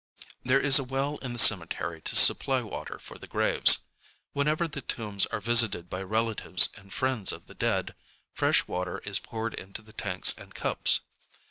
There is a well in the cemetery to supply water for the graves. Whenever the tombs are visited by relatives and friends of the dead, fresh water is poured into the tanks and cups.